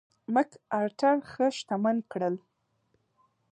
مک ارتر ښه شتمن کړل.